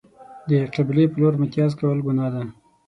د قبلې په لور میتیاز کول گناه ده.